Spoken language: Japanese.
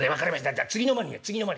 じゃあ次の間にね次の間にちょっと。